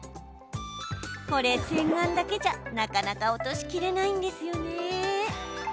これ、洗顔だけじゃ、なかなか落としきれないんですよね。